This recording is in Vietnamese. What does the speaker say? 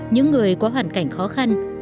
những người có hoàn cảnh khó khăn